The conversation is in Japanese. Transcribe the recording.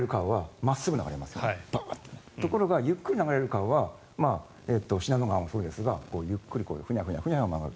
ところがゆっくり流れる川は信濃川がそうですがゆっくりフニャフニャ曲がる。